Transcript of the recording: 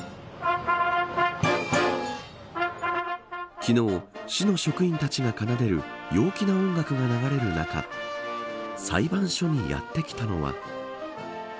昨日、市の職員たちが奏でる陽気な音楽が流れる中裁判所にやってきたのは。